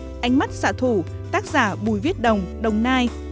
tác phẩm số ba ánh mắt xạ thủ tác giả bùi viết đồng đông nai